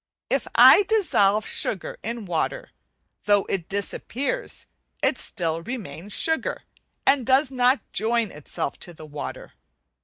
If I dissolve sugar in water, though it disappears it still remains sugar, and does not join itself to the water.